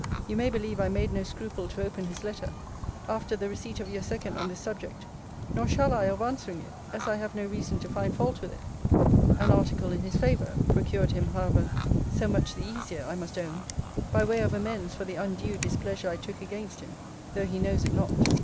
You may believe I made no scruple to open his letter, after the receipt of your second on this subject: nor shall I of answering it, as I have no reason to find fault with it: an article in his favour, procured him, however, so much the easier, (I must own,) by way of amends for the undue displeasure I took against him; though he knows it not.